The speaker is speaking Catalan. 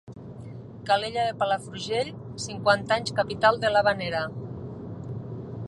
Calella de Palafrugell, cinquanta anys capital de l'havanera.